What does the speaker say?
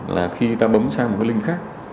là khi ta bấm sang một cái link khác